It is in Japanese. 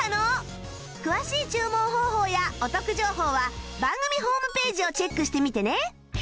詳しい注文方法やお得情報は番組ホームページをチェックしてみてね